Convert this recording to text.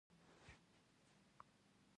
د خیاط لپاره جوړې شوې جامې د کار محصول دي.